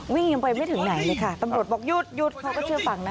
วิ่งกันไปไม่ถึงไหนเลยค่ะตำรวจบอกหยุดหยุดเขาก็เชื่อฟังนะ